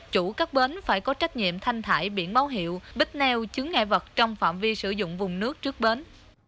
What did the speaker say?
chủ các bến phải có trách nhiệm thanh thải biển báo hiệu bích neo chứng ngại vật trong phạm vi sử dụng vùng nước trước bến